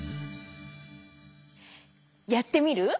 やってみる？